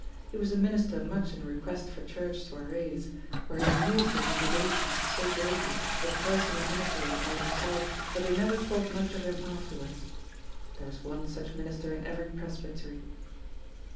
He was a minister much in request for church soirees, where he amused the congregations so greatly with personal anecdote about himself that they never thought much of him afterwards. There is one such minister in every presbytery.